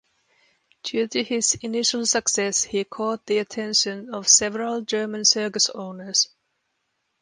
Due to his initial success he caught the attention of several German circus owners.